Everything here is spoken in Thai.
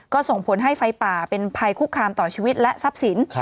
ก็ส่งผลให้ไฟป่าเป็นภัยคุกคามต่อชีวิตและทรัพย์สิน